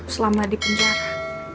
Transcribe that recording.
selama di penjara